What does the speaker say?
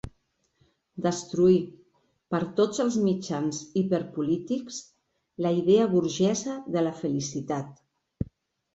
Destruir, per tots els mitjans hiperpolítics, la idea burgesa de la felicitat.